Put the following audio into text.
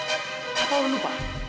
atau lu lupa